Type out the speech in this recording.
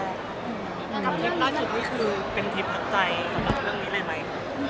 คือคือเป็นทิพักใจสำหรับเรื่องนี้ใช่ไหม